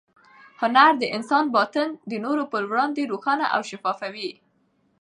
هنر د انسان باطن د نورو په وړاندې روښانه او شفافوي.